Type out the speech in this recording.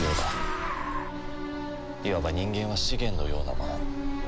いわば人間は資源のようなもの。